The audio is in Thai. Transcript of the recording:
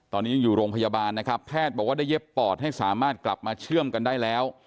ตอนนี้ยังอยู่โรงพยาบาลนะครับแพทย์บอกว่าได้เย็บปอดให้สามารถกลับมาเชื่อมกันได้แล้ว